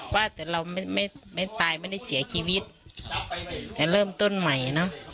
ว่าแต่เราไม่ไม่ตายไม่ได้เสียชีวิตแต่เริ่มต้นใหม่เนอะ